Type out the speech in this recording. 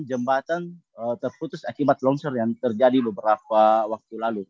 jembatan terputus akibat longsor yang terjadi beberapa waktu lalu